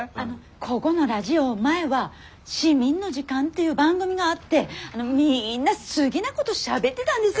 こごのラジオ前は「市民の時間」っていう番組があってみんな好ぎなごどしゃべってだんです。